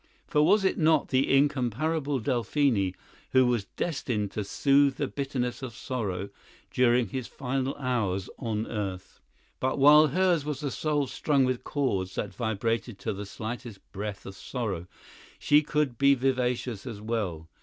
For was it not the incomparable Delphine who was destined to "soothe the bitterness of sorrow" during his final hours on earth? But while hers was a soul strung with chords that vibrated to the slightest breath of sorrow, she could be vivacious as well.